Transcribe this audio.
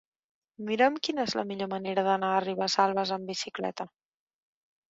Mira'm quina és la millor manera d'anar a Ribesalbes amb bicicleta.